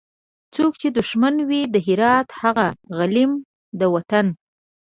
څوک چي دښمن وي د هرات هغه غلیم د وطن